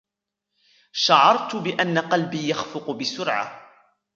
شعرت بأن قلبي يخفق بسرعة.